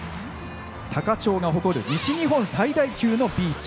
坂町が誇る西日本最大級のビーチ。